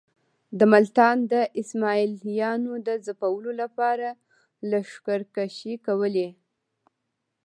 د ملتان د اسماعیلیانو د ځپلو لپاره لښکرکښۍ کولې.